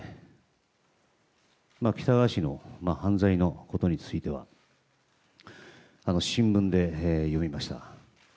喜多川氏の犯罪のことについては新聞で読みました。